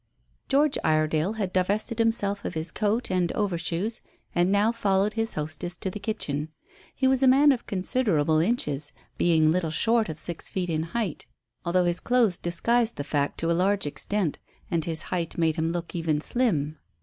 George Iredale had divested himself of his coat and over shoes, and now followed his hostess to the kitchen. He was a man of considerable inches, being little short of six feet in height. He was powerfully built, although his clothes disguised the fact to a large extent, and his height made him look even slim.